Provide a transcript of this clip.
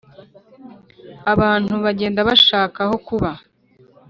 Abantu bagenda bashaka ahokuba.